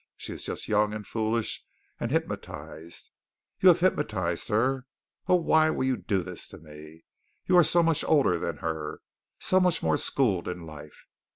She is just young, and foolish and hypnotized. You have hypnotized her. Oh, why will you do this to me? You are so much older than her, so much more schooled in life.